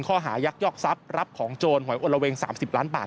ยักยอกทรัพย์รับของโจรหวยอลละเวง๓๐ล้านบาท